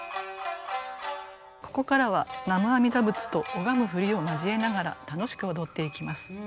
ここからは「南無阿弥陀仏」と拝む振りを交えながら楽しく踊っていきます。